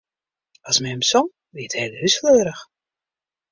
As mem song, wie it hiele hûs fleurich.